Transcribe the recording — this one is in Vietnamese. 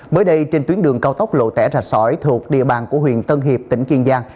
mới đây trên tuyến đường cao tốc lộ tẻ rạch sỏi thuộc địa bàn của huyện tân hiệp tỉnh kiên giang